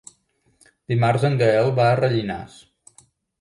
Dimarts en Gaël va a Rellinars.